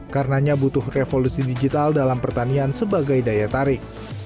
karenanya butuh revolusi digital dalam pertanian sebagai daya tarik